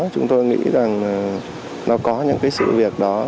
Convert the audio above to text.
chúng tôi nghĩ rằng nó có những cái sự việc đó